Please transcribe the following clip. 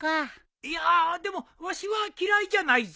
いやーでもわしは嫌いじゃないぞ。